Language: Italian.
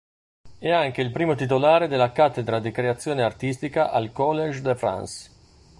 È anche il primo titolare della cattedra di “"creazione artistica"” al "Collège de France".